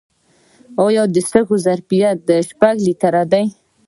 د سږو ظرفیت شپږ لیټره دی.